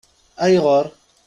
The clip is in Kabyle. Ayɣeṛ?